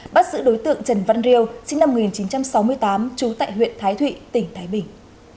bắt giữ đối tượng trần văn riêu sinh năm một nghìn chín trăm sáu mươi tám trú tại huyện thái thụy tỉnh thái bình